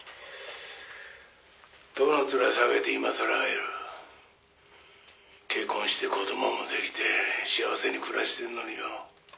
「どの面下げて今さら会える」「結婚して子供も出来て幸せに暮らしてるのによ」